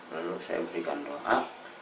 lalu saya berikan doa